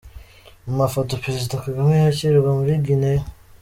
Mu mafoto: Perezida Kagame yakirwa muri Guinea.